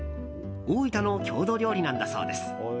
大分の郷土料理なんだそうです。